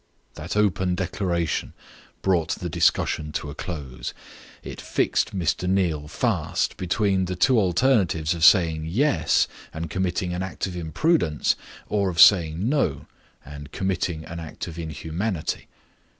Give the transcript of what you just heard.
That open declaration brought the discussion to a close. It fixed Mr. Neal fast between the two alternatives of saying Yes, and committing an act of imprudence, or of saying No, and committing an act of inhumanity.